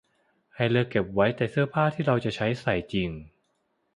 ให้เลือกเก็บไว้แต่เสื้อผ้าที่เราจะใช้ใส่จริง